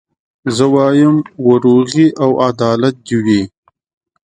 زه وايم وروغي او عدالت دي وي